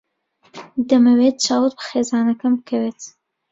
دەمەوێت چاوت بە خێزانەکەم بکەوێت.